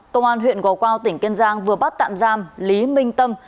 công an huyện gò quao tỉnh kiên giang vừa bắt tạm giam lý minh tâm